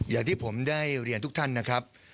อย่างที่ผมได้เรียนทุกท่านนะครับ